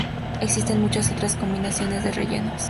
Existen muchas otras combinaciones de rellenos.